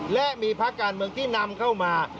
และมีพักการเมืองที่นำเข้ามา